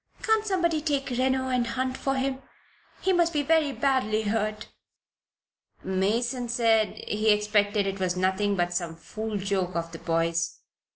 Can't somebody take Reno and hunt for him? He must be very badly hurt." "Mason said he expected it was nothing but some fool joke of the boys.